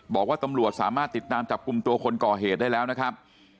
บอกว่าตำรวจสามารถติดตามจับกลุ่มตัวคนก่อเหตุได้แล้วนะครับ